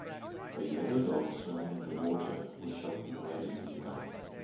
a yellow dog swimming in the water with something red in his mouth